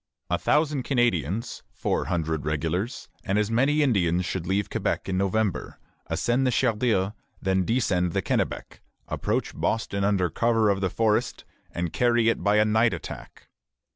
A thousand Canadians, four hundred regulars, and as many Indians should leave Quebec in November, ascend the Chaudière, then descend the Kennebec, approach Boston under cover of the forest, and carry it by a night attack.